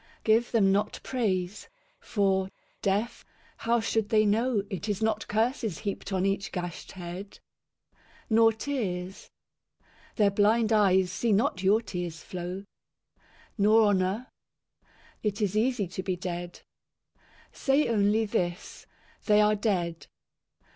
Give them not praise. For, deaf, how should they know It is not curses heaped on each gashed head ? Nor tears. Their blind eyes see not your tears flow. Nor honour. It is easy to be dead. Say only this, " They are dead."